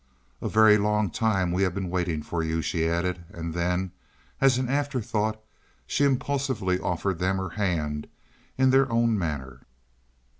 "A very long time we have been waiting for you," she added; and then, as an afterthought, she impulsively offered them her hand in their own manner.